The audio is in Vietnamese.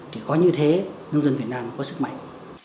thì có như thế nông dân việt nam có sức mạnh